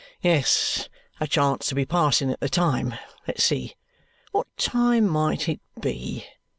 Yes, I chanced to be passing at the time. Let's see. What time might it be?